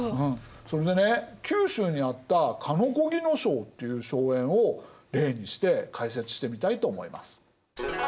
それでね九州にあった鹿子木荘っていう荘園を例にして解説してみたいと思います。